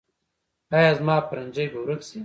ایا زما پرنجی به ورک شي؟